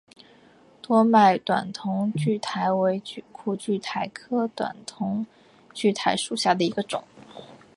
多脉短筒苣苔为苦苣苔科短筒苣苔属下的一个种。